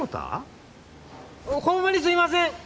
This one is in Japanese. ホンマにすいません！